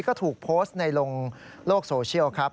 ก็ถูกโพสต์ในลงโลกโซเชียลครับ